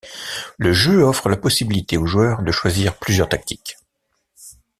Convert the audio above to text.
Le jeu offre la possibilité au joueur de choisir plusieurs tactiques.